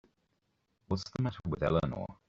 What's the matter with Eleanor?